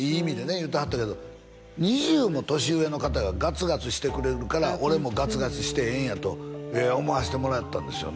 言うてはったけど２０も年上の方がガツガツしてくれるから俺もガツガツしてええんやと思わしてもらったんですよね